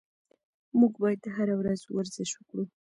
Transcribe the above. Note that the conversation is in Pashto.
موږ باید هره ورځ ورزش وکړو.